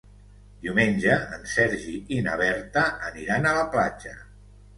Diumenge en Sergi i na Berta aniran a la platja.